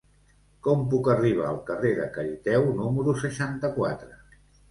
Com puc arribar al carrer de Cariteo número seixanta-quatre?